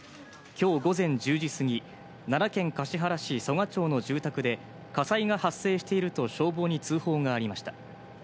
今日午前１０時すぎ、奈良県橿原市曽我町の住宅で火災が発生していると消防に通報がありました。